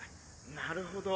「なるほど。